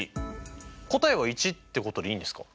答えは１ってことでいいんですか？